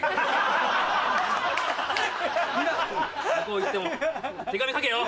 向こう行っても手紙書けよ！